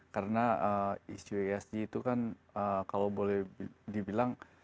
karena isu esg itu kan kalau boleh dibilang